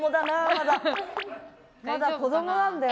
まだ子どもなんだよな。